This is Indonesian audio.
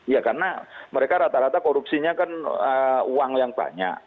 ya karena mereka rata rata korupsinya kan uang yang banyak